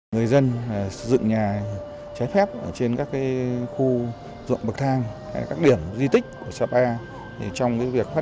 người dân dựng nhà cháy phép trên các khu dụng bậc thang